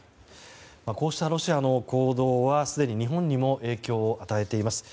こうしたロシアの行動はすでに日本にも影響を与えています。